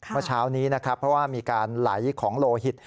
เมื่อเช้านี้นะครับเพราะว่ามีการไหลของโลหิต